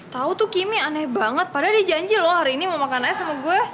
tahu tuh kimnya aneh banget padahal dia janji loh hari ini mau makan aja sama gue